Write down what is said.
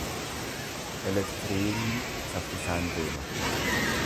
Elektiriikni saffisaan deema.